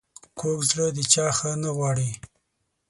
کوږ زړه د چا ښه نه غواړي